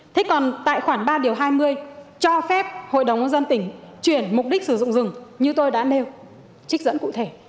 thế còn tại khoản ba điều hai mươi cho phép hội đồng nhân dân tỉnh chuyển mục đích sử dụng rừng như tôi đã nêu trích dẫn cụ thể